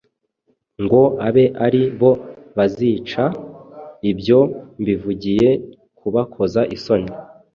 ngo abe ari bo bazica? Ibyo mbivugiye kubakoza isoni.